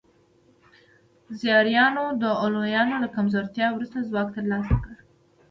زیاریانو د علویانو له کمزورتیا وروسته ځواک ترلاسه کړ.